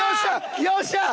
よっしゃあ！